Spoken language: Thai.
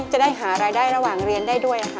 จะได้หารายได้ระหว่างเรียนได้ด้วยค่ะ